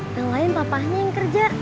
yang lain papahnya yang kerja